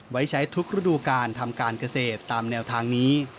ไว้ใช้ทุกฤดูการทำการเกษตรตามแนวทางนี้